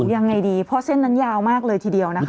ยังไงดีเพราะเส้นนั้นยาวมากเลยทีเดียวนะคะ